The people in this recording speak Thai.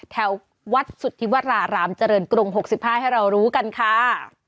แถววัดสุทธิวรารามเจริญกรุง๖๕ให้เรารู้กันค่ะ